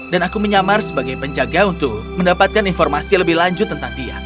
aku menyamar sebagai penjaga untuk mendapatkan informasi lebih lanjut tentang dia